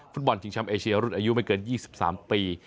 ฟุตบอลชิงช้ำเอเชียรุ่นอายุไม่เกิน๒๓ปี